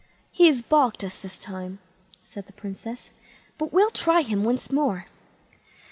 "He has baulked us this time", said the Princess, "but we'll try him once more."